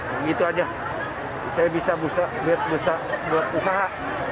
begitu saja saya bisa berusaha